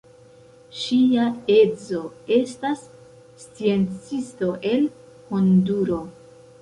Ŝia edzo estas sciencisto el Honduro.